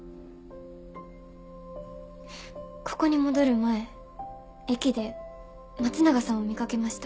ここに戻る前駅で松永さんを見かけました。